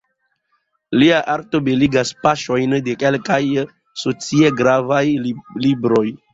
Lia arto beligas paĝojn de kelkaj socie gravaj libroj.